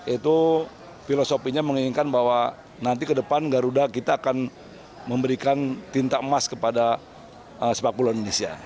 itu filosofinya menginginkan bahwa nanti ke depan garuda kita akan memberikan tinta emas kepada sepak bola indonesia